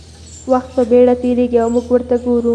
وخت په بېړه تېرېږي او موږ ورته ګورو.